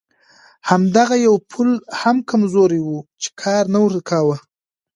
همدغه یو پل هم کمزوری و چې کار نه ورکاوه.